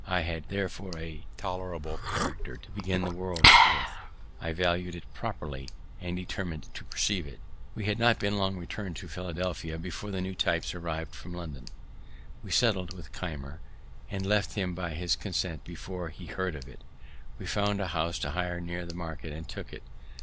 I had therefore a tolerable character to begin the world with; I valued it properly, and determin'd to preserve it. We had not been long return'd to Philadelphia before the new types arriv'd from London. We settled with Keimer, and left him by his consent before he heard of it. We found a house to hire near the market, and took it.